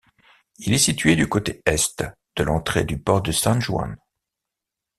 Il est situé du côté est de l'entrée du port de San Juan.